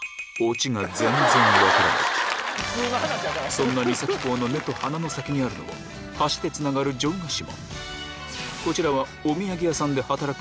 そんな三崎港の目と鼻の先にあるのは橋でつながる城ヶ島